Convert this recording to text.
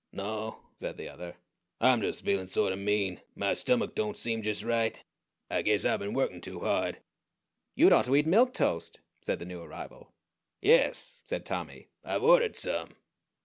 "No," said the other. "I'm just feelin' sort o' mean my stummick don't seem just right. I guess I been workin' too hard." "You'd ought to eat milk toast," said the new arrival. "Yes," said Tommy. "_I've ordered some.